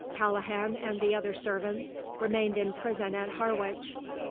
Callaghan and the other servants remained in prison at Harwich.